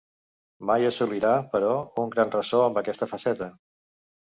Mai assolirà, però, un gran ressò amb aquesta faceta.